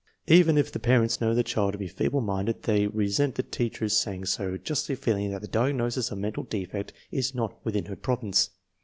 Even if the parents know the child to be feeble minded they resent the teacher's saying so, justly feeling that the diagnosis of mental defect is not within her province.